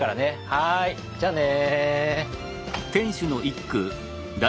はいじゃあね。